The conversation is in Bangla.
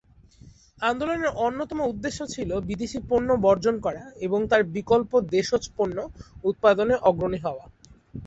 আন্দোলনের অন্যতম উদ্দেশ্য ছিল বিদেশি পণ্য বর্জন করা এবং তার বিকল্প দেশজ পণ্য উৎপাদনে অগ্রণী হওয়া।